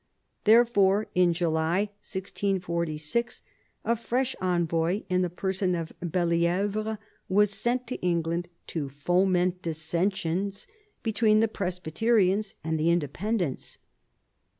Therefore, in July 1646, a fresh envoy in the person of Belli^vre was sent to England to foment dissensions between the Presbyterians and the Inde pendents.